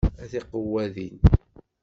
A tiqewwadin!